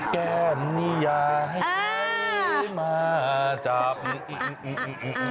แก้นิยาให้ใครมาจับมือ